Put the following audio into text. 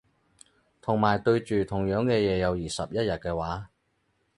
同埋對住同樣嘅嘢有二十一日嘅話